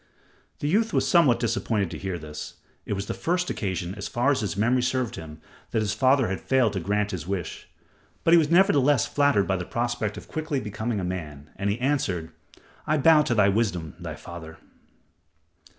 The youth was somewhat disappointed to hear this. It was the first occasion, as far as his memory served him, that his father had failed to grant his wish; but he was nevertheless flattered by the prospect of quickly becoming a man, and he answered, "I bow to thy wisdom, my father."